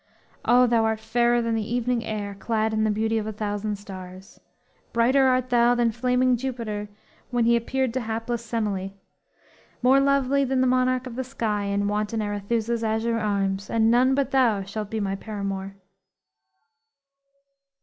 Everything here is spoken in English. O, thou art fairer than the evening air, Clad in the beauty of a thousand stars! Brighter art thou than flaming Jupiter, When he appeared to hapless Semele; More lovely than the monarch of the sky In wanton Arethusa's azure arms; And none but thou shalt be my paramour!"